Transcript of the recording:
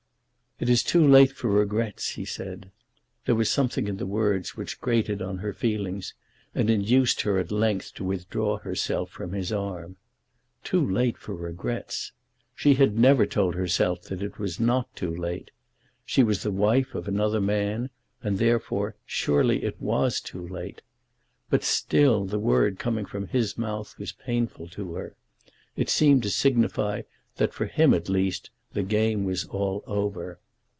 "It is too late for regrets," he said. There was something in the words which grated on her feelings, and induced her at length to withdraw herself from his arm. Too late for regrets! She had never told herself that it was not too late. She was the wife of another man, and therefore, surely it was too late. But still the word coming from his mouth was painful to her. It seemed to signify that for him at least the game was all over.